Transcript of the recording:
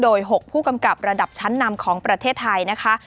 โดย๖ผู้กำกับระดับชั้นนำของประเทศไทยนะคะ